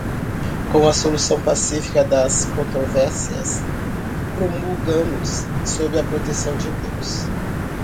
com a solução pacífica das controvérsias, promulgamos, sob a proteção de Deus